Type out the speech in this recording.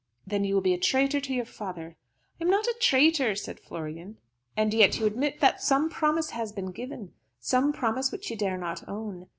"Then you will be a traitor to your father." "I am not a traitor," said Florian. "And yet you admit that some promise has been given some promise which you dare not own.